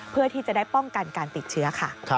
เพื่อที่จะได้ป้องกันการติดเชื้อค่ะ